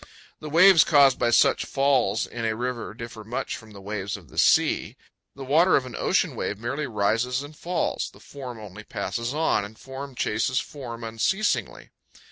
The waves caused by such falls in a river differ much from the waves of the sea. The water of an ocean wave merely rises and falls; the form only passes on, and form chases form unceasingly.